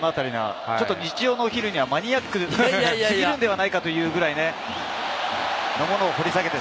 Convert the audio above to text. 日曜のお昼にはマニアック過ぎるのではないかというくらいね、掘り下げて。